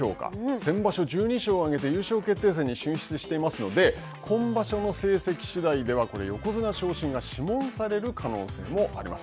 先場所１２勝を挙げて優勝決定戦に進出していますので今場所の成績次第では、これ横綱昇進が諮問される可能性があります。